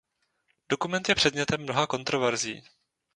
Dokument je předmětem mnoha kontroverzí.